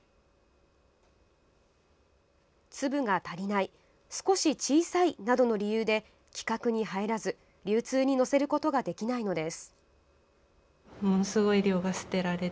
粒が足りない少し小さいなどの理由で規格に入らず流通に載せることができないのです。